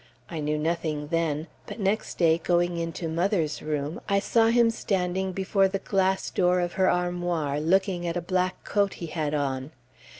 I knew nothing then; but next day, going into mother's room, I saw him standing before the glass door of her armoir, looking at a black coat he had on.